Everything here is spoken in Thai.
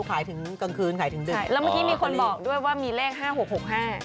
เมื่อกี้มีคนบอกด้วยว่ามีแรก๕๖๖๕